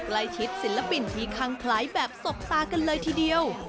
ศิลปินที่คังคล้ายแบบสบตากันเลยทีเดียว